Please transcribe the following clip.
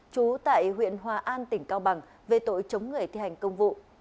trú tại huyện hòa an tỉnh cao bằng về tội chống người thi hành công vụ